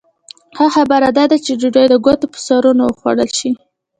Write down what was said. ښه خبره دا ده چې ډوډۍ د ګوتو په سرونو وخوړل شي.